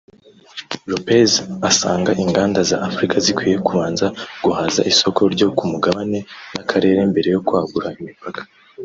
Lopes asanga inganda za Afurika zikwiye kubanza guhaza isoko ryo ku mugabane n’akarere mbere yo kwagura imipaka